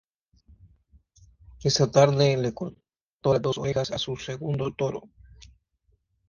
Esa tarde le cortó las dos orejas a su segundo toro.